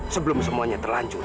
sebelum semuanya terlanjur